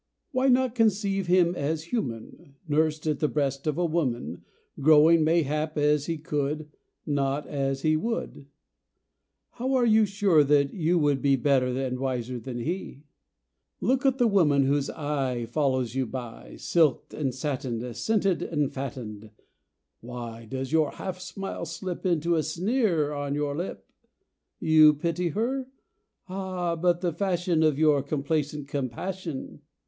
Why not conceive him as human, Nursed at the breast of a woman, Growing, mayhap, as he could, Not as he would? How are you sure you would be Better and wiser than he? Look at the woman whose eye Follows you by. Silked and satined, Scented, fattened! Why does the half smile slip Into a sneer on your lip? You pity her? Ah, but the fashion Of your complacent compassion.